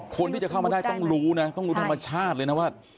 คนที่จะเข้ามาได้ต้องรู้นะต้องรู้ธรรมชาติเลยนะว่า